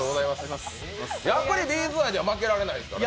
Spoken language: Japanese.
やっぱりＢ’ｚ愛じゃ負けられないですからね。